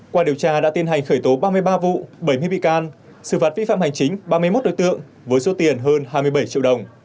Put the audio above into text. qua điều tra đã tiến hành khởi tố ba mươi ba vụ bảy mươi bị can xử phạt vi phạm hành chính ba mươi một đối tượng với số tiền hơn hai mươi bảy triệu đồng